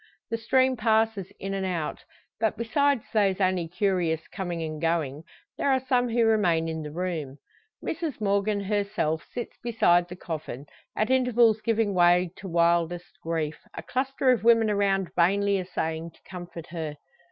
The stream passes in and out; but besides those only curious coming and going, there are some who remain in the room. Mrs Morgan herself sits beside the coffin, at intervals giving way to wildest grief; a cluster of women around vainly essaying to comfort her.